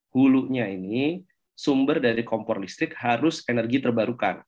hulunya ini sumber dari kompor listrik harus energi terbarukan